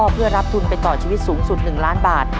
เพื่อรับทุนไปต่อชีวิตสูงสุด๑ล้านบาท